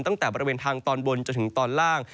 ตั้งแต่บริเวณทางตอนบนจนถึงตอนล่าง